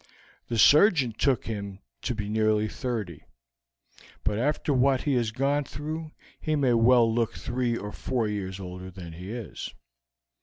The surgeon took him to be nearly thirty; but after what he has gone through he may well look three or four years older than he is.